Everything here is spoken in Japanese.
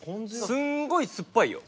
すんごい酸っぱいよ。